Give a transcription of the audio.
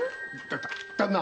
旦那！